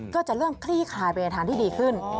ก็จะเริ่มคลี่คลายไปในทางที่ดีขึ้น